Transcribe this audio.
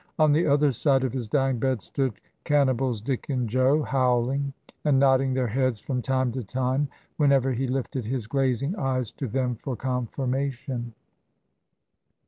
On the other side of his dying bed stood Cannibals Dick and Joe, howling, and nodding their heads from time to time, whenever he lifted his glazing eyes to them for confirmation.